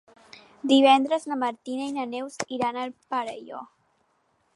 Divendres na Martina i na Neus iran al Perelló.